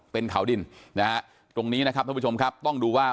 เป็นข่าวดินตรงนี้ทุกผู้ชมต้องดูว่า